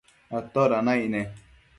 ¿atoda naic ne?